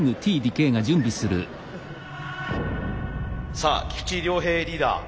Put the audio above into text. さあ菊池亮平リーダー